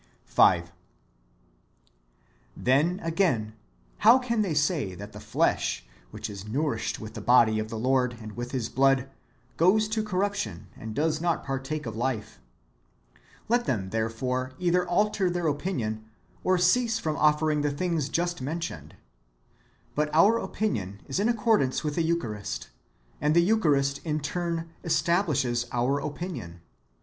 ^ 5. Then, again, how can they say that the flesh, which is nourished with the body of the Lord and with His blood, goes to corruption, and does not partake of life ? Let them, therefore, either alter their opinion, or cease from offering the things just mentioned.^ But our opinion is in accordance with the Eucharist, and the Eucharist in turn establishes our opinion.